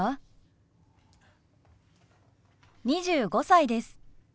２５歳です。